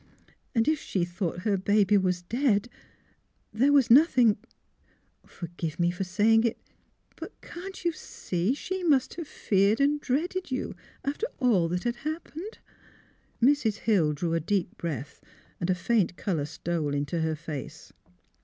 And if she thought her baby was dead, there was nothing — forgive me for say ing it — but can't you see she must have feared and dreaded you, after all that had happened? " Mrs. Hill drew a deep breath; a faint colour stole into her face.